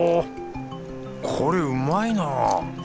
これうまいなぁ！